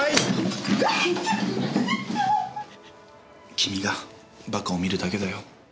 君がバカを見るだけだよ。